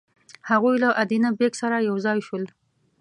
هغوی له ادینه بېګ سره یو ځای شول.